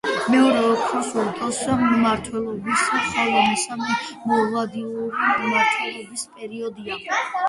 მეორე ოქროს ურდოს მმართველობის, ხოლო მესამე მოლდავური მმართველობის პერიოდია.